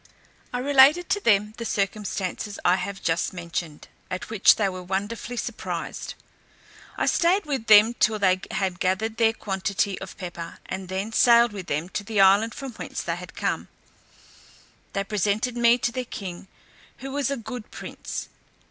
I related to them the circumstances I have just mentioned, at which they were wonderfully surprised. I staid with them till they had gathered their quantity of pepper, and then sailed with them to the island from whence they had come. They presented me to their king, who was a good prince.